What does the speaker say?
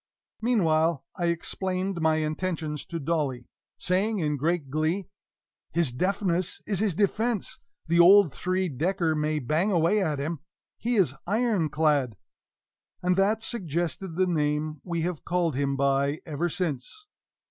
Meanwhile I explained my intentions to Dolly, saying in great glee: "His deafness is his defense: the old three decker may bang away at him; he is IRON CLAD!" And that suggested the name we have called him by ever since.